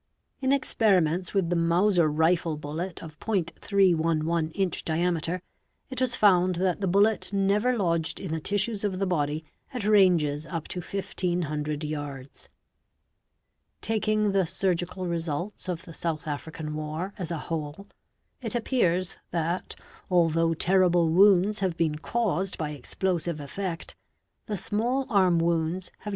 experiments with the Mauser rifle bullet of 311 inch diameter, it was found that the bullet never lodged in the tissues of the body at ranges p to 1,500 yards. || "Taking the surgical results of the South African war, as a whole it appears that, although terrible wounds have been caused by explosiv effect, the small arm wounds have